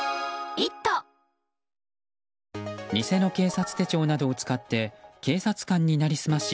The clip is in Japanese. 偽の警察手帳などを使って警察官に成り済まし